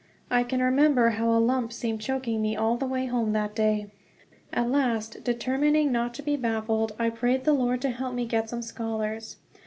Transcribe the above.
I can remember how a lump seemed choking me all the way home that day. At last, determining not to be baffled, I prayed the Lord to help me get some scholars.